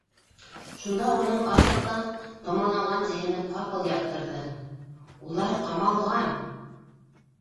Шунда уның аслыҡтан томаланған зиһене ҡапыл яҡтырҙы: улар ҡамалған!